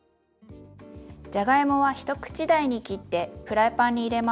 じゃがいもは一口大に切ってフライパンに入れます。